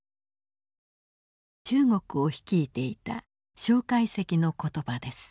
中国を率いていた介石の言葉です。